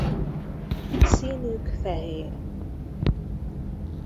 Színük fehér.